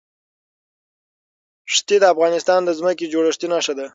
ښتې د افغانستان د ځمکې د جوړښت نښه ده.